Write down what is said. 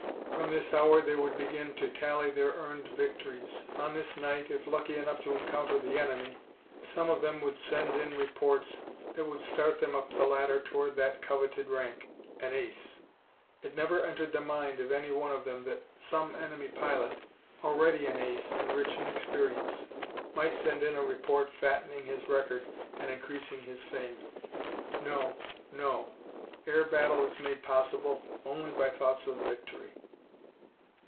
From this hour they would begin to tally their earned victories. On this night, if lucky enough to encounter the enemy, some of them would send in reports that would start them up the ladder toward that coveted rank an ace! It never entered the mind of any one of them that some enemy pilot, already an ace and rich in experience, might send in a report fattening his record and increasing his fame. No, no! Air battle is made possible only by thoughts of victory.